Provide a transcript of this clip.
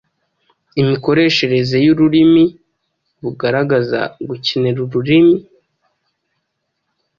imikoreshereze y’ururimi, bugaragaza gukeneka ururimi